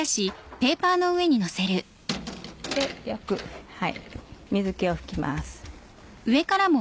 よく水気を拭きます。